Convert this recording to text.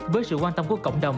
với sự quan tâm của cộng đồng